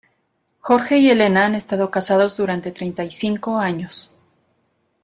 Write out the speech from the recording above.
Jorge y Elena han estado casados durante treinta y cinco años.